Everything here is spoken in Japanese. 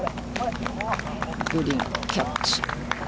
グリーン、キャッチ。